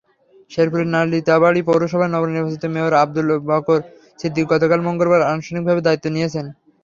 শেরপুরের নালিতাবাড়ী পৌরসভা নবনির্বাচিত মেয়র আবু বক্কর সিদ্দিক গতকাল মঙ্গলবার আনুষ্ঠানিকভাবে দায়িত্ব নিয়েছেন।